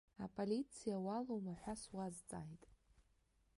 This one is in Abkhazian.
Аполициа уалоума ҳәа суазҵааит.